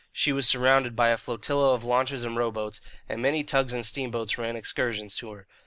She was surrounded by a flotilla of launches and rowboats, and many tugs and steamboats ran excursions to her.